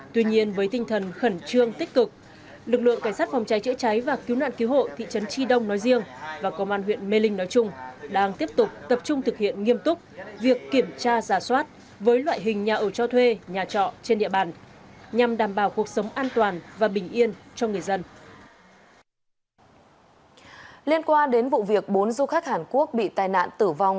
tuy nhiên với tinh thần khẩn trương tích cực lực lượng cảnh sát phòng cháy chữa cháy và cứu nạn cứu hộ thị trấn chi đông nói riêng và công an huyện mê linh nói chung đang tiếp tục tập trung thực hiện nghiêm túc việc kiểm tra giả soát với loại hình nhà ẩu cho thuê nhà trọ trên địa bàn nhằm đảm bảo cuộc sống an toàn và bình yên cho người dân